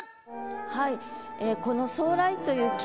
はい。